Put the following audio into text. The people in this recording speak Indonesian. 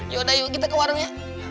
yaudah yuk kita ke warungnya